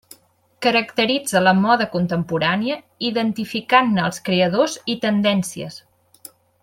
Caracteritza la moda contemporània identificant-ne els creadors i tendències.